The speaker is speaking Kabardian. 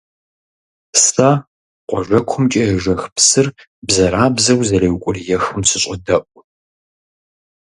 Сэ къуажэкумкӀэ ежэх псыр бзэрабзэу зэреукӀуриехым сыщӀодэӀу.